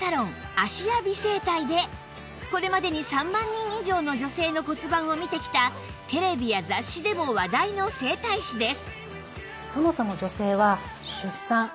芦屋美整体でこれまでに３万人以上の女性の骨盤を見てきたテレビや雑誌でも話題の整体師です